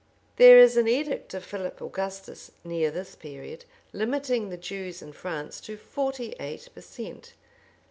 [*] There is an edict of Philip Augustus, near this period, limiting the Jews in France to forty eight per cent.